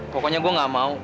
pokoknya gue gak mau